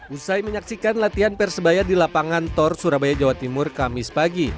usai menyaksikan latihan persebaya di lapangan tor surabaya jawa timur kamis pagi